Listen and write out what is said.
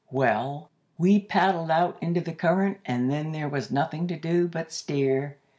"Well, we paddled out into the current, and then there was nothing to do but steer.